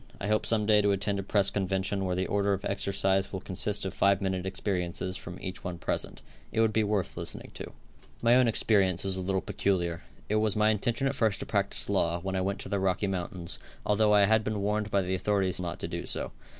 I hope some day to attend a press convention where the order of exercise will consist of five minute experiences from each one present It would be worth listening to. My own experience was a little peculiar. It was my intention at first to practice law, when I went to the Rocky Mountains, although I had been warned by the authorities not to do so.